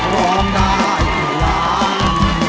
ร้องได้ให้ล้าน